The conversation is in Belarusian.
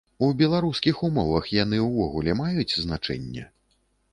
У беларускіх умовах яны ўвогуле маюць значэнне?